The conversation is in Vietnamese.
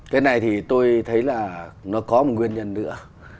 cái này thì tôi thấy là nó có một nguyên nhân nữa